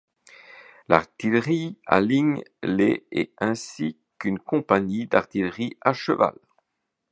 L'artillerie aligne les et ainsi qu'une compagnie d'artillerie à cheval.